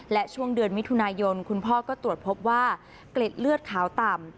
และช่วงเดือนมิถุนายนคุณพ่อก็ตรวจพบว่าเกล็ดเลือดขาวต่ำ